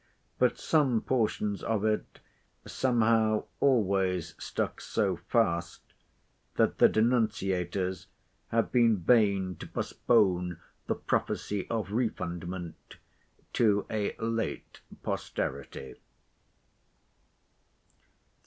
But some portions of it somehow always stuck so fast, that the denunciators have been vain to postpone the prophecy of refundment to a late posterity.